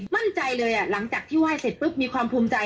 มั่นใจเลยหลังจากที่ไหว้เสร็จปุ๊บมีความภูมิใจ